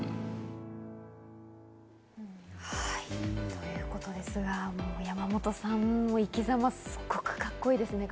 ということですが、山本さんの生きざま、すごくカッコいいですね。